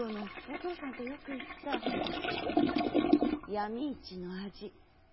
お父さんとよく行った闇市の味。